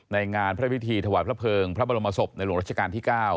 งานพระพิธีถวายพระเภิงพระบรมศพในหลวงรัชกาลที่๙